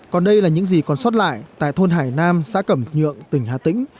còn đây là những gì còn sót lại tại thôn hải nam xã cẩm nhượng tỉnh hà tĩnh